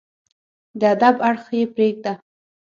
د ادب اړخ يې پرېږده